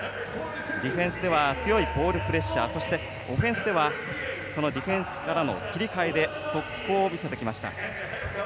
ディフェンスでは強いボールプレッシャーオフェンスではそのディフェンスからの切り替えで速攻を見せてきました。